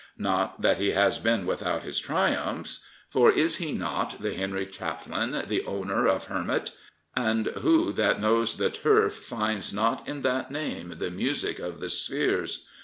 Not that he has been without his triumphs. 317 Prophets, Priests, and Kings For is he not the Henry Chaplin, the owner of Hermit ? And who that knows the Turf finds not in that name the music of the spheres?